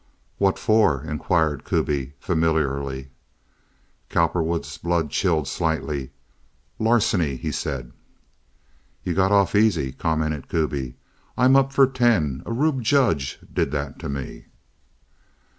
"What for?" inquired Kuby, familiarly. Cowperwood's blood chilled slightly. "Larceny," he said. "Yuh got off easy," commented Kuby. "I'm up for ten. A rube judge did that to me."